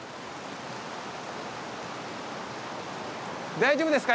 大丈夫ですか？